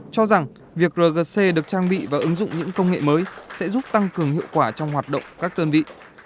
cho rằng việc rgc được trang bị và ứng dụng những công nghệ mới sẽ giúp tăng cường hiệu quả trong hoạt động các đơn vị